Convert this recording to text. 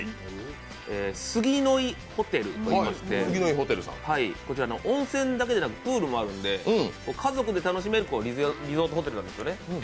杉乃井ホテルといいまして、温泉だけでなくプールもあるので、家族で楽しめるリゾートホテルなんですよね。